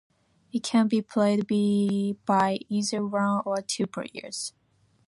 It can be played by either one or two players.